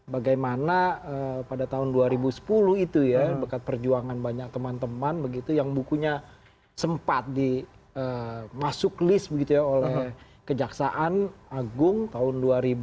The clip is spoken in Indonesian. bagaimana pada tahun dua ribu sepuluh itu ya bekat perjuangan banyak teman teman begitu yang bukunya sempat dimasuk list begitu ya oleh kejaksaan agung tahun dua ribu